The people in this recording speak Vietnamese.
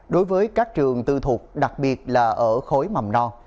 đối với các trường tư thuộc đặc biệt là ở khối mầm non